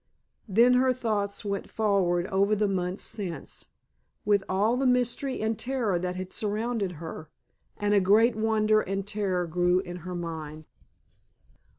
Then her thoughts went forward over the months since, with all the mystery and terror that had surrounded her, and a great wonder and terror grew in her mind.